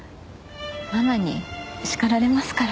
ママに叱られますから。